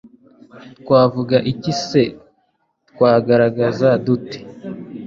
twavuga iki se kandi se twagaragaza dute